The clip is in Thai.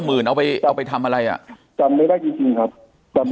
หมื่นเอาไปเอาไปทำอะไรอ่ะจำไม่ได้จริงจริงครับจำ